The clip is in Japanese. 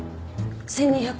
１２００。